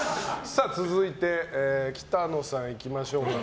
続いて、北乃さんいきましょうか。